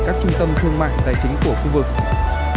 các trung tâm thương mại tài chính của khu vực